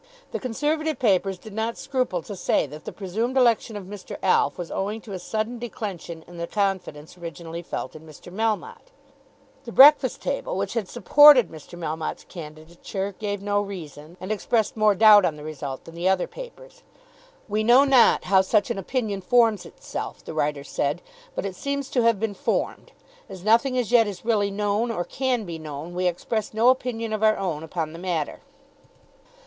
The Conservative papers did not scruple to say that the presumed election of Mr. Alf was owing to a sudden declension in the confidence originally felt in Mr. Melmotte. The "Breakfast Table," which had supported Mr. Melmotte's candidature, gave no reason, and expressed more doubt on the result than the other papers. "We know not how such an opinion forms itself," the writer said; "but it seems to have been formed. As nothing as yet is really known, or can be known, we express no opinion of our own upon the matter."